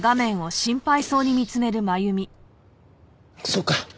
そうか。